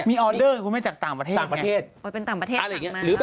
มีออเดอร์การทำนึงคุ้มให้จากต่างประเทศ